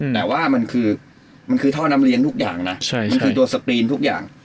แต่ว่ามันคือมันคือท่อน้ำเลี้ยงทุกอย่างนะมันคือตัวสกรีนทุกอย่าง